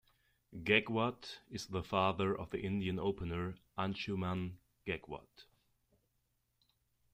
Gaekwad is the father of the Indian opener Anshuman Gaekwad.